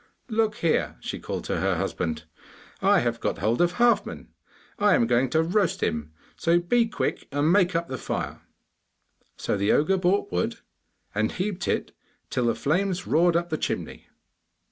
'Look here!' she called to her husband, 'I have got hold of Halfman. I am going to roast him, so be quick and make up the fire!' So the ogre brought wood, and heaped it up till the flames roared up the chimney.